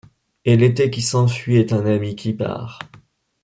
Et l'été qui s'enfuit est un ami qui part.